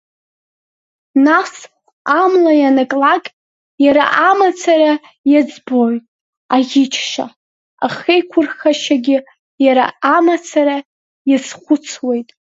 Нас, амла ианаклак, иара амацара иаӡбоит аӷьычшьа, ахеиқәырхашьагьы иара амацара иазхәыцуеит.